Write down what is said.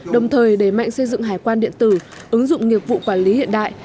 đồng thời đẩy mạnh xây dựng hải quan điện tử ứng dụng nghiệp vụ quản lý hiện đại